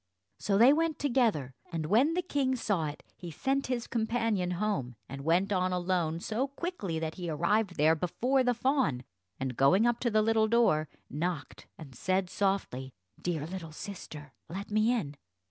So they went together, and when the king saw it he sent his companion home, and went on alone so quickly that he arrived there before the fawn; and, going up to the little door, knocked and said softly, "Dear little sister, let me in."